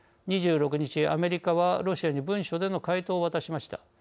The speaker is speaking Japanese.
２６日、アメリカはロシアに文書での回答を渡しました。